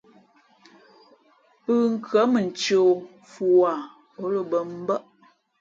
Pʉ̄nkhʉ̄ᾱ mα ncēh o fʉ̄ wāha , ǒ lα bᾱ mbάʼ.